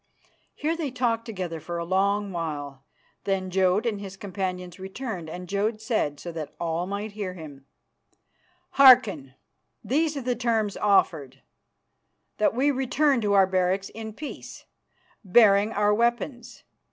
Here they talked together for a long while. Then Jodd and his companions returned, and Jodd said, so that all might hear him: "Hearken. These are the terms offered: That we return to our barracks in peace, bearing our weapons.